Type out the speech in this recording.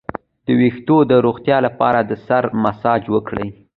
د ویښتو د روغتیا لپاره د سر مساج وکړئ